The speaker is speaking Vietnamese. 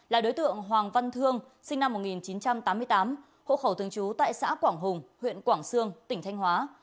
là đối tượng hoàng văn thương sinh năm một nghìn chín trăm tám mươi tám hộ khẩu thường trú tại xã quảng hùng huyện quảng sương tỉnh thanh hóa